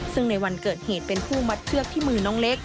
ซึ่งในวันเกิดเหตุเป็นผู้มัดเชือกที่มือน้องเล็ก